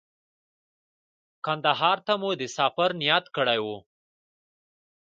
کندهار ته مو د سفر نیت کړی و.